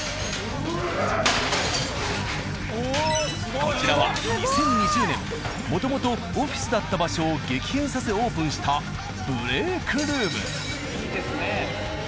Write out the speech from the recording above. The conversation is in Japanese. こちらは２０２０年もともとオフィスだった場所を激変させオープンした「ＢＲＥＡＫＲＯＯＭ」。